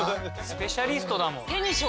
スペシャリストだもん。